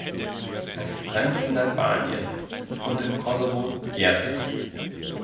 Es brennt in Albanien, und im Kosovo gärt es!